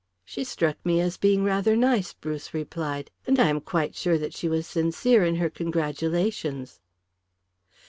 "She struck me as being rather nice," Bruce replied. "And I am quite sure that she was sincere in her congratulations."